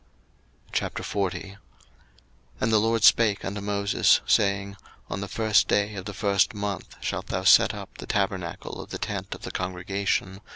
02:040:001 And the LORD spake unto Moses, saying, 02:040:002 On the first day of the first month shalt thou set up the tabernacle of the tent of the congregation.